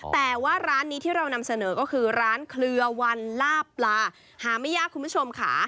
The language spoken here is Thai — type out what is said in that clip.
แต่ว่าร้านนี้ที่เรานำเสนอก็คือร้านเคลือวันลาบปลาหาไม่ยากคุณผู้ชมค่ะ